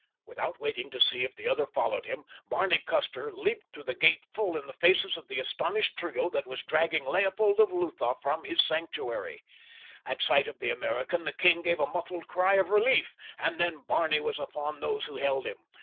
Without waiting to see if the other followed him, Barney Custer leaped through the gate full in the faces of the astonished trio that was dragging Leopold of Lutha from his sanctuary. At sight of the American the king gave a muffled cry of relief, and then Barney was upon those who held him.